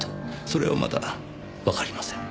それはまだわかりません。